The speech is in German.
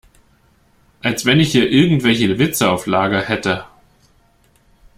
Als wenn ich hier irgendwelche Witze auf Lager hätte!